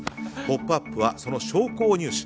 「ポップＵＰ！」はその証拠を入手。